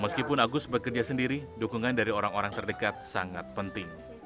meskipun agus bekerja sendiri dukungan dari orang orang terdekat sangat penting